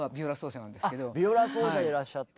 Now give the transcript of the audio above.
あっビオラ奏者でいらっしゃった。